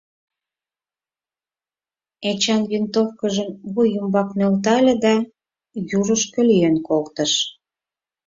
Эчан винтовкыжым вуй ӱмбак нӧлтале да южышко лӱен колтыш.